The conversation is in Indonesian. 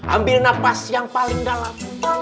ambil nafas yang paling dalam